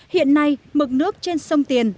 hiện nay mực nước trên sông tiền